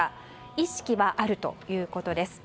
意識はあるということです。